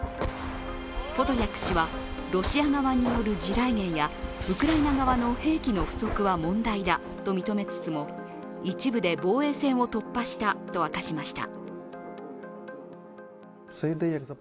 ポドリャク氏は、ロシア側による地雷原や、ウクライナ側の兵器の不足は問題だと認めつつも、一部で防衛戦を突破したと明かしました。